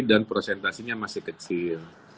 dan prosentasinya masih kecil